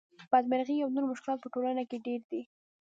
بدمرغۍ او نور مشکلات په ټولنه کې ډېر دي